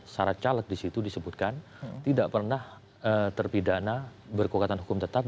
syarat caleg disitu disebutkan tidak pernah terpidana berkokatan hukum tetap